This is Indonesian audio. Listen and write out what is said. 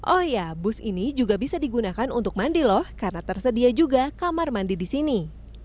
oh ya bus ini juga bisa digunakan untuk mandi loh karena tersedia juga kamar mandi di sini